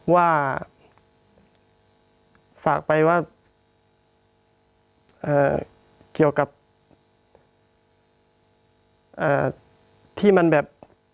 ว่าฝากไปว่าเกี่ยวกับที่มันแบบ